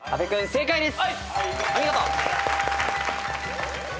正解です。